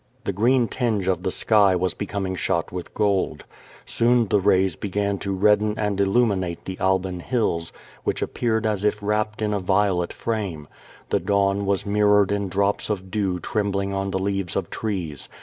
The green tinge of the sky was becom ing shot with gold. Soon the rays began to redden and il luminate the Alban Hills, which appeared as if wrappe\i in a violet frame. The dawn was mirrored in drops of dew trembling on the leaves of trees.